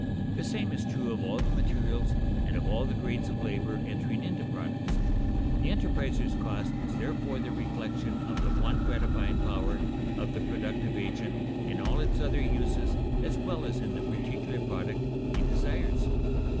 The same is true of all the materials and of all the grades of labor entering into products. The enterpriser's cost is therefore the reflection of the want gratifying power of the productive agent in all its other uses as well as in the particular product he desires.